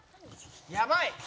やばい！